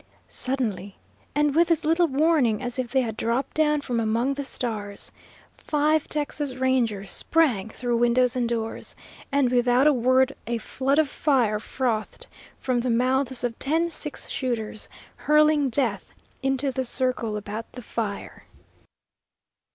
Suddenly, and with as little warning as if they had dropped down from among the stars, five Texas Rangers sprang through windows and doors, and without a word a flood of fire frothed from the mouths of ten six shooters, hurling death into the circle about the fire.